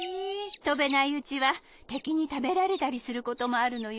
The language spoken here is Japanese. とべないうちはてきにたべられたりすることもあるのよ。